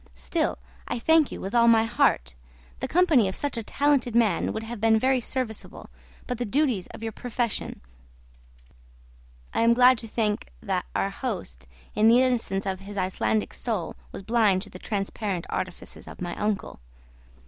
Still, I thank you with all my heart: the company of such a talented man would have been very serviceable, but the duties of your profession " I am glad to think that our host, in the innocence of his Icelandic soul, was blind to the transparent artifices of my uncle.